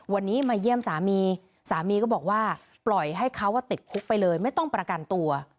วันนี้มาเยี่ยมสามีสามีก็บอกว่าปล่อยให้เขาติดคุกไปเลยไม่ต้องประกันตัว